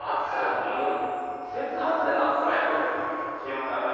季節外れの暑さが戻る。